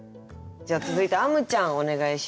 じゃあ続いてあむちゃんお願いします。